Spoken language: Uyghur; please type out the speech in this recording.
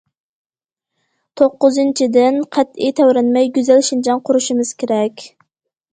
توققۇزىنچىدىن، قەتئىي تەۋرەنمەي گۈزەل شىنجاڭ قۇرۇشىمىز كېرەك.